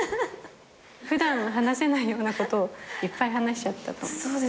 普段話せないようなことをいっぱい話しちゃったと。